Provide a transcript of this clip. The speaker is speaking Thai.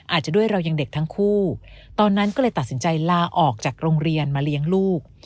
อาจจะด้วยเรายังเด็กทั้งคู่ตอนนั้นก็เลยตัดสินใจลาออกจากโรงเรียนมาเลี้ยงลูก